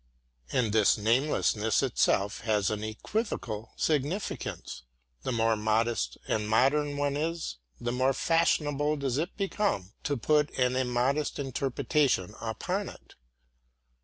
And this namelessness itself has an equivocal significance. The more modest and modern one is, the more fashionable does it become to put an immodest interpretation upon it.